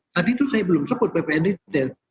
tadi itu saya belum sebut ppn retail